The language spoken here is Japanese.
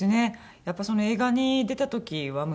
やっぱりその映画に出た時は息子が。